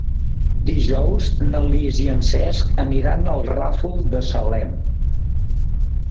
Dijous na Lis i en Cesc aniran al Ràfol de Salem.